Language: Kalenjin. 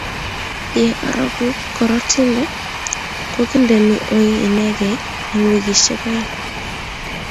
ye aroku karotinde ko kindeni oi inegei eng' wikisiek oeng'